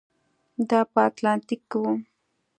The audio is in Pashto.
دا په اتلانتیک کې و.